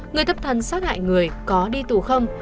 người tâm thần xác hại người có đi tù không